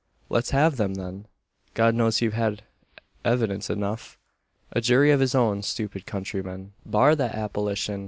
"Let's have them, then!" "God knows you've had evidence enough. A jury of his own stupid countrymen " "Bar that appellashun!"